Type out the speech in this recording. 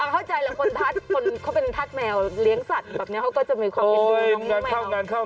เข้าใจแหละคนทัศน์แมวเลี้ยงสัตว์แบบนี้เขาก็จะมีความเย็นดูน้องนี้แมว